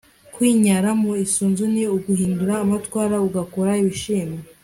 kwinyara mu isunzu ni uguhindura amatwara ugakora ibishimwa